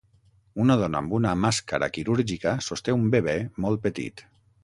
Una dona amb una màscara quirúrgica sosté un bebè molt petit.